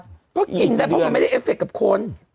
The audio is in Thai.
ก็กินได้เพราะมันไม่ได้เอฟเฟคกับคน